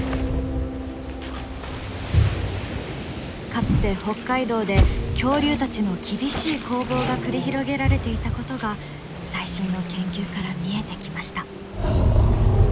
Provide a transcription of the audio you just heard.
かつて北海道で恐竜たちの厳しい攻防が繰り広げられていたことが最新の研究から見えてきました。